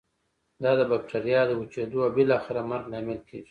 دا د بکټریا د وچیدو او بالاخره مرګ لامل کیږي.